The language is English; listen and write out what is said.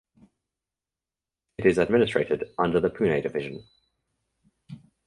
It is administrated under the Pune Division.